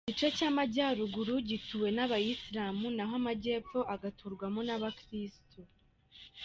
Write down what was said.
Igice cy’Amajyaruguru gituwe n’abayisilamu naho Amajyepfo agaturwamo n’abakirisitu.